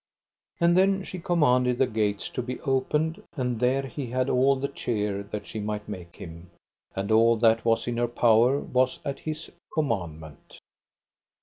And then she commanded the gates to be opened, and there he had all the cheer that she might make him, and all that was in her power was at his commandment.